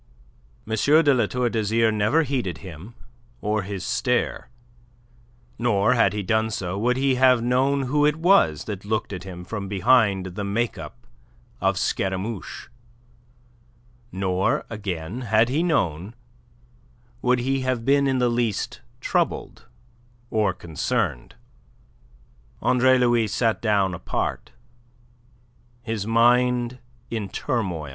M. de La Tour d'Azyr never heeded him or his stare; nor, had he done so, would he have known who it was that looked at him from behind the make up of Scaramouche; nor, again, had he known, would he have been in the least troubled or concerned. Andre Louis sat down apart, his mind in turmoil.